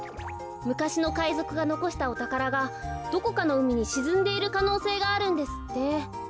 むかしのかいぞくがのこしたおたからがどこかのうみにしずんでいるかのうせいがあるんですって。